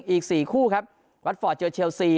อีก๔คู่ครับวัดฟอร์ตเจอเชลซี